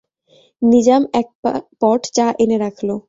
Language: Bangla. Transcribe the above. নিজাম এক পট চা এনে রাখল।